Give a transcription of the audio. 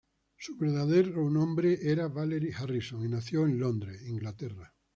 Su verdadero nombre era Valerie Harrison, y nació en Londres, Inglaterra.